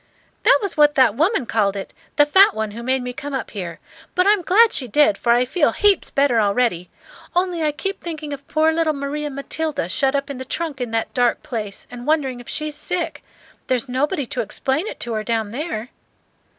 "That was what that woman called it, the fat one who made me come up here. But I'm glad she did, for I feel heaps better already; only I keep thinking of poor little Maria Matilda shut up in the trunk in that dark place, and wondering if she's sick. There's nobody to explain to her down there."